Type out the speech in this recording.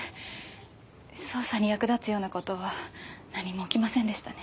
捜査に役立つような事は何も起きませんでしたね。